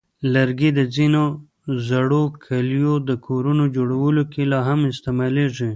لرګي د ځینو زړو کلیو د کورونو جوړولو کې لا هم استعمالېږي.